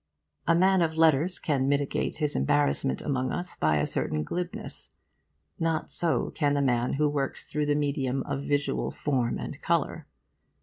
A man of letters can mitigate his embarrassment among us by a certain glibness. Not so can the man who works through the medium of visual form and colour.